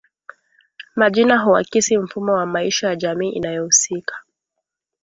Majina huakisi mfumo wa maisha ya jamii inayohusika